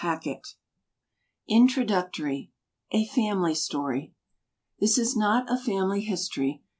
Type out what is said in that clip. A33212<l INTRODUCTORY A Family Story This is not a family history.